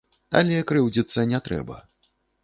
Але крыўдзіцца не трэба.